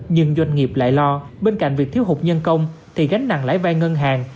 nhưng doanh nghiệp lại lo bên cạnh việc thiếu hụt nhân công thì gánh nặng lãi vai ngân hàng